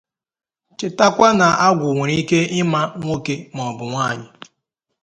Chetekwa na agwụ nwere ike ịma nwoke maọbụ nwaanyị